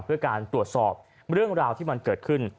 เพื่อการตรวจสอบเรื่องราวที่มันเกิดขึ้น